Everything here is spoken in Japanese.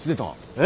え！